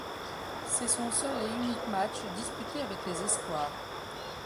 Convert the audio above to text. C'est son seul et unique match disputé avec les espoirs.